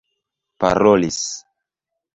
parolis